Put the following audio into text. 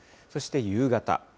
そして、夕方。